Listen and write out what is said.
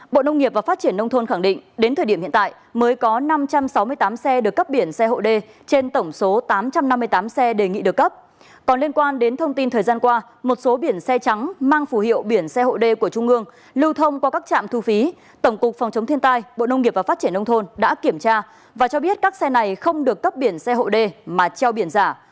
bộ nông nghiệp và phát triển nông thôn đã kiểm tra và cho biết các xe này không được cấp biển xe hộ đê mà treo biển giả